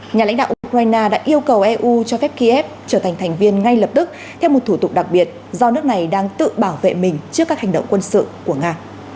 nhà lãnh đạo ukraine đã yêu cầu eu cho phép kiev trở thành thành viên ngay lập tức theo một thủ tục đặc biệt do nước này đang tự bảo vệ mình trước các hành động quân sự của nga